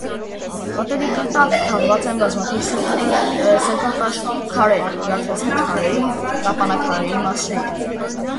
Պատերի տակ թաղված են բազմաթիվ սրբատաշ քարեր, ջարդված խաչքարերի, տապանաքարերի մասեր։